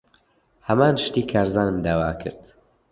ھەمان شتی کارزانم داوا کرد.